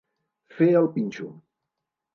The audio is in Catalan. Fer el pinxo.